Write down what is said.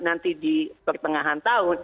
nanti di pertengahan tahun